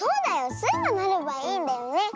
スイがなればいいんだよね！